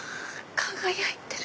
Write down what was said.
輝いてる！